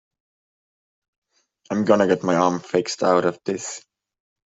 I'm gonna get my arm fixed out of this.